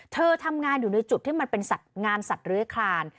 เธอทำงานอยู่ในจุดที่มันเป็นงานสัตว์เลื้อยคลาน